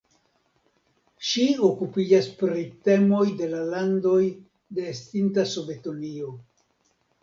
Ŝi okupiĝas pri temoj de la landoj de estinta Sovetunio.